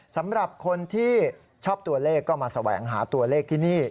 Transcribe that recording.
สำหรับคนที่ชอบตัวเลขก็มาแสวงหาตัวเลขที่นี่